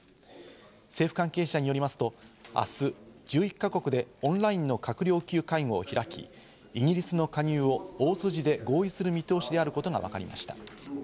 政府関係者によりますと、明日、１１か国でオンラインの閣僚級会合を開き、イギリスの加入を大筋で合意する見通しであることがわかりました。